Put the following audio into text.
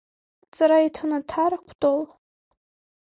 Аҵара иҵон Аҭара, Кәтол.